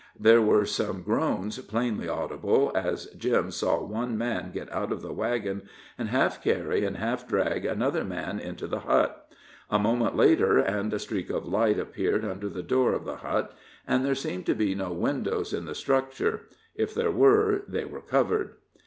There were some groans plainly audible as Jim saw one man get out of the wagon and half carry and half drag another man into the hut. A moment later, and a streak of light appeared under the door of the hut, and there seemed to be no windows in the structure; if there were, they were covered.